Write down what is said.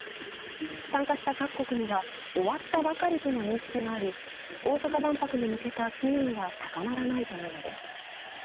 参加した各国には終わったばかりとの認識があり大阪万博に向けた機運が高まらないというのです。